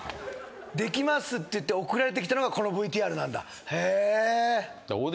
できますって送られてきたのがこのＶＴＲなんだ。